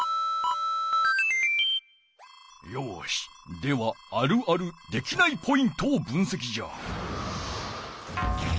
ではあるあるできないポイントを分せきじゃ。